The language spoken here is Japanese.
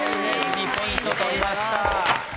２ポイント取りました。